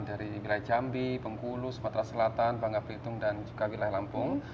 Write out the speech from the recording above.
dari wilayah jambi pengkulu sumatera selatan bangga pelitung dan juga wilayah lampung